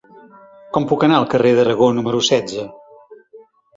Com puc anar al carrer d'Aragó número setze?